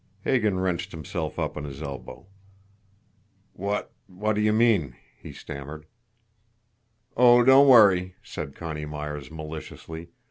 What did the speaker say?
Hagan wrenched himself up on his elbow. "What what do you mean?" he stammered. "Oh, don't worry!" said Connie Myers maliciously.